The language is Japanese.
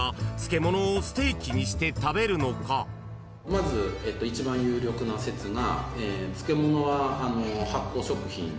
まず一番有力な説が。